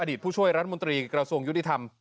ผู้ช่วยรัฐมนตรีกระทรวงยุติธรรม